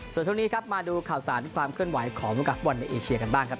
ส่วนที่วันนี้มาดูข่าวสารความเคลื่อนไหวของรุ่นกับบอลในเอเชียกันบ้างครับ